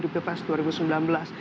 di dukuh pas dua ribu sembilan belas